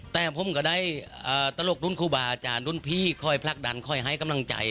แต่ผมก็ได้ตลกรุ่นครูบาอาจารย์รุ่นพี่คอยผลักดันค่อยให้กำลังใจ